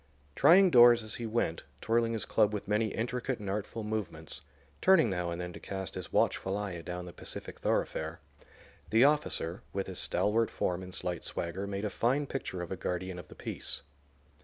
Trying doors as he went, twirling his club with many intricate and artful movements, turning now and then to cast his watchful eye adown the pacific thoroughfare, the officer, with his stalwart form and slight swagger, made a fine picture of a guardian of the peace.